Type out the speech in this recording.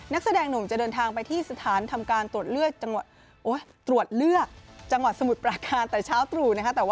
นักแสดงหนุ่มจะเดินทางไปที่สถานทำการตรวจเลือกจังหวัดสมุดปราการแต่เช้าตรู่